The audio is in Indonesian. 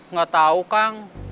nggak tahu kang